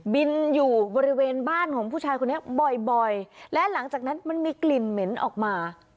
บินอยู่บริเวณบ้านของผู้ชายคนนี้บ่อยบ่อยและหลังจากนั้นมันมีกลิ่นเหม็นออกมา